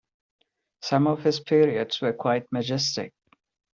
Some of his periods were quite majestic!